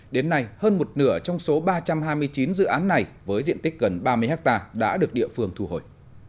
đến nay hơn một nửa trong số ba trăm hai mươi chín dự án này với diện tích gần ba mươi hectare đã được địa phương thu hồi